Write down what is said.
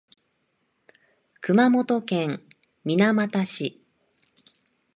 熊本県水俣市